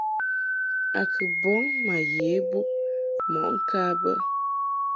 A kɨ bɔŋ ma ye bub mɔʼ ŋka bə.